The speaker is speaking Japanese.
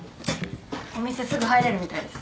お店すぐ入れるみたいです。